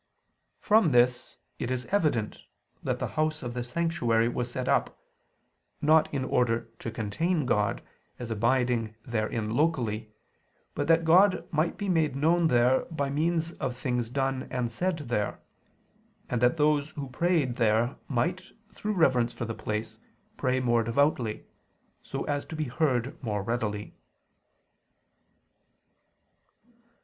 From this it is evident that the house of the sanctuary was set up, not in order to contain God, as abiding therein locally, but that God might be made known there by means of things done and said there; and that those who prayed there might, through reverence for the place, pray more devoutly, so as to be heard more readily.